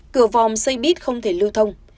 cửa vòm xây bít không thể lưu thông